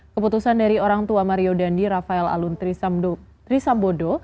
keputusan dari orang tua mario dandi rafael alun trisambodo